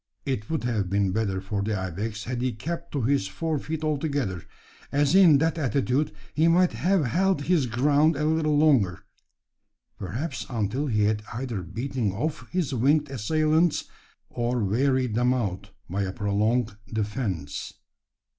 It would have been better for the ibex had he kept to his fore feet altogether; as in that attitude he might have held his ground a little longer perhaps until he had either beaten off his winged assailants, or wearied them out by a prolonged defence.